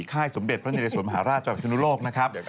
ค่ายสมเด็จพระนเรสวนมหาราชจังหวัดพิศนุโลกนะครับ